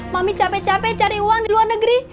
mami capek capek cari uang di luar negeri